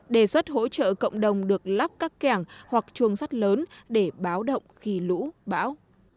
đề xuất hỗ trợ cộng đồng được lắp các kẻng hoặc chuông sắt lớn để báo động khi lũ bão